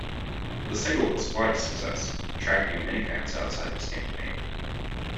The single was quite a success, attracting many fans outside of Scandinavia.